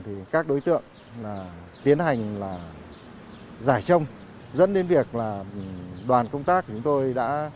thì các đối tượng tiến hành là giải trông dẫn đến việc là đoàn công tác chúng tôi đã